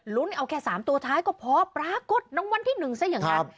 เอาแค่๓ตัวท้ายก็พอปรากฏรางวัลที่๑ซะอย่างนั้น